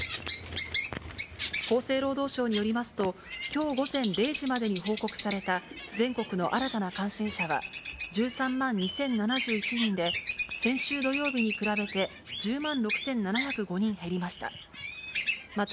厚生労働省によりますと、きょう午前０時までに報告された全国の新たな感染者は、１３万２０７１人で、先週土曜日に比べて１０万６７０５人減りました。